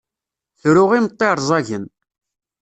Tru imeṭṭi rẓagen.